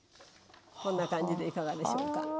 こんな感じでいかがでしょうか？